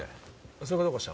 それがどうかした？